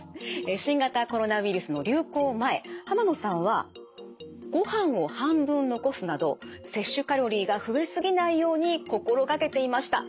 新型コロナウイルスの流行前濱野さんはご飯を半分残すなど摂取カロリーが増えすぎないように心がけていました。